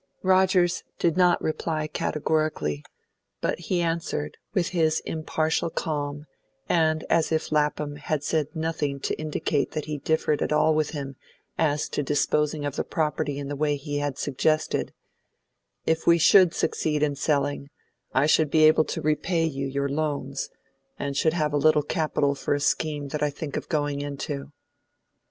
Rogers did not reply categorically, but he answered, with his impartial calm, and as if Lapham had said nothing to indicate that he differed at all with him as to disposing of the property in the way he had suggested: "If we should succeed in selling, I should be able to repay you your loans, and should have a little capital for a scheme that I think of going into."